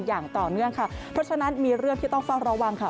อย่างต่อเนื่องค่ะเพราะฉะนั้นมีเรื่องที่ต้องเฝ้าระวังค่ะ